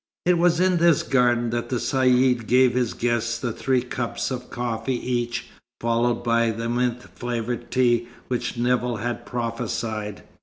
It was in this garden that the Caïd gave his guests the three cups of coffee each, followed by the mint flavoured tea which Nevill had prophesied.